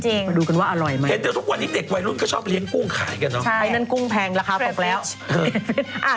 เห็นเดี๋ยวทุกวันนี้เด็กวัยรุ่นก็ชอบเลี้ยงกุ้งขายกันเนอะ